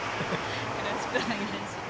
よろしくお願いします。